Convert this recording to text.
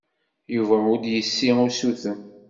Yuba ur d-yessi usuten.